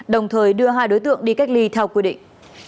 đồng thời đưa hai đối tượng đi cách ly theo quy định